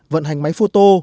vận hành máy phô tô